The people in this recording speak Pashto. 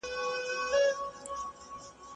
داسي کورنۍ هم سته، چي لږ اولادونه لري؛ خو ګمراهان وي.